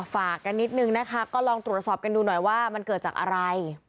ฝากกันนิดนึงนะคะก็ลองตรวจสอบกันดูหน่อยว่ามันเกิดจากอะไร